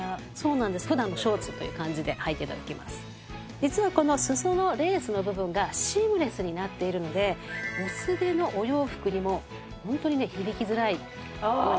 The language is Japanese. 実はこの裾のレースの部分がシームレスになっているので薄手のお洋服にもホントにね響きづらいように。